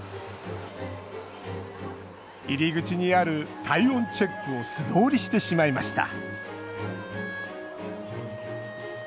入り口にある体温チェックを素通りしてしまいました